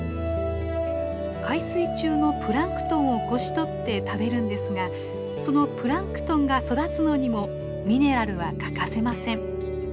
海水中のプランクトンをこし取って食べるんですがそのプランクトンが育つのにもミネラルは欠かせません。